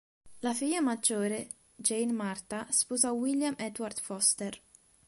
La figlia maggiore, Jane Martha, sposò William Edward Forster.